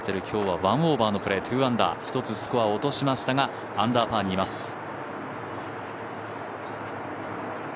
今日は１オーバーのプレー２アンダー、１つスコアは落としましたがアンダーパーにいます。